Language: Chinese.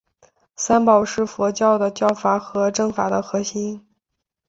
三宝是佛教的教法和证法的核心。